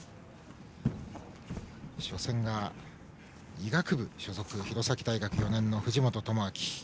初戦が医学部所属の弘前大学４年の藤本智朗。